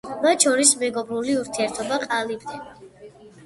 მათ შორის მეგობრული ურთიერთობა ყალიბდება.